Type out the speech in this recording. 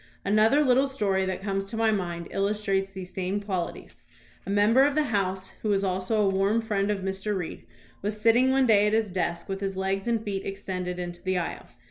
Another little story that comes to my mind illus trates these same qualities. A member of the House who was also a warm friend of Mr. Reed was sitting one day at his desk with his legs and feet extended into the aisle.